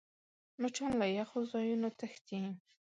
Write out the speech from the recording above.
مچان له یخو ځایونو تښتي